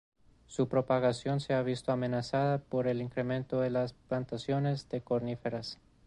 Su propagación se ha visto amenazada por el incremento de las plantaciones de coníferas.